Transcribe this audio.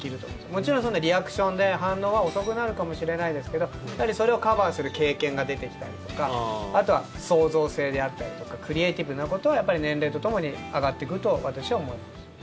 もちろんリアクションで反応は遅くなるかもしれないですけどそれをカバーする経験が出てきたりとかあとは、創造性であったりとかクリエーティブなことは年齢とともに上がってくると私は思います。